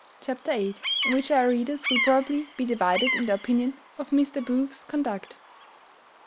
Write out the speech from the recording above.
Chapter viii. _In which our readers will probably be divided in their opinion of Mr. Booth's conduct.